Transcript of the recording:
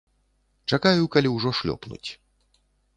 Чакаю, калі ўжо шлёпнуць.